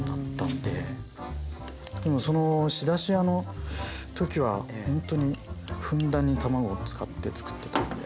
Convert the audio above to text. でもその仕出し屋の時はほんとにふんだんに卵を使って作ってたんで。